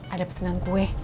ada pesenan kue